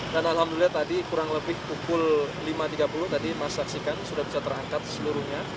dan alhamdulillah tadi kurang lebih pukul lima tiga puluh tadi mas saksikan sudah bisa terangkat seluruhnya